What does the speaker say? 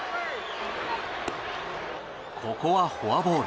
ここはフォアボール。